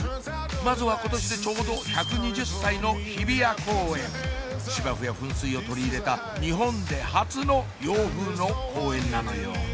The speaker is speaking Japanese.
まずは今年でちょうど１２０歳の芝生や噴水を取り入れた日本で初の洋風の公園なのよ